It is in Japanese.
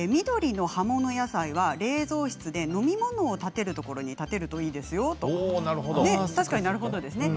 緑の葉物野菜は冷蔵室で飲み物を立てるところに立てるといいですよということです。